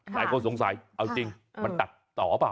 หลายคนสงสัยเอาจริงมันตัดต่อเปล่า